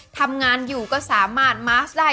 ทำงานอยู่ก็สามารถมาสได้